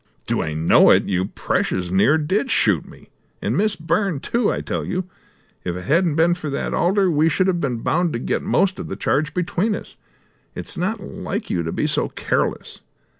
"Do I know it? You precious near did shoot me, and Miss Byrne, too, I tell you. If it hadn't been for that alder we should have been bound to get most of the charge between us. It's not like you to be so careless."